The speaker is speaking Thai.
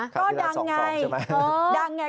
ก็ดังไง